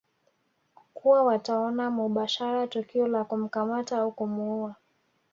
kuwa wataona mubashara tukio la kumkamata au kumuua